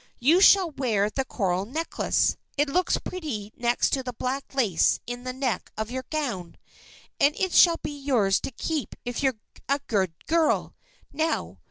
You shall wear the coral necklace. It looks pretty next to the black lace in the neck of your gown. And it shall be yours to keep if you're a good girl. Now!